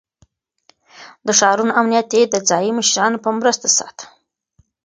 د ښارونو امنيت يې د ځايي مشرانو په مرسته ساته.